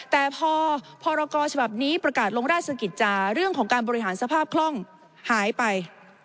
แต่พอพรกรฉบับนี้ประกาศลงราชกิจจาเรื่องของการบริหารสภาพคล่องหายไป